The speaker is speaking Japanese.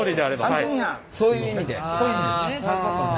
そういう意味で。